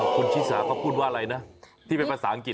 คุณชิสาเขาพูดว่าอะไรนะที่เป็นภาษาอังกฤษ